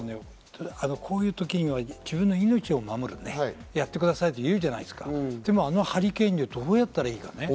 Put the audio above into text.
こういう時には自分の命を守るようにやってくださいというじゃないですか。、でも、あのハリケーンでどうやったらいいのか。